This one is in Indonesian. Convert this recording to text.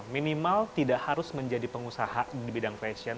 minimal tidak harus menjadi pengusaha di bidang fashion